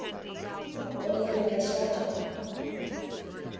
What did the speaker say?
What do you think I saw, John?